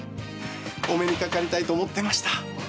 お目にかかりたいと思ってました。